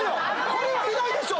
これはひどいでしょ！